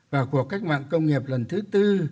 và cuộc cách mạng công nghiệp lần thứ tư